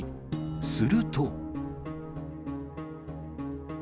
すると。